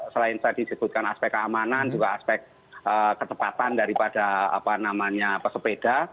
selain saya disebutkan aspek keamanan juga aspek ketepatan daripada apa namanya pesepeda